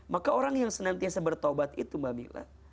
maka orang yang senantiasa bertobat itu mbak mila